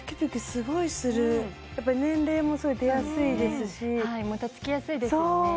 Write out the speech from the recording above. すごいするやっぱり年齢もすごい出やすいですしもたつきやすいですよね